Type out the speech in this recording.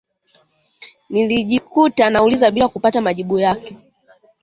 Nilijikuta nauliza bila kupata majibu yake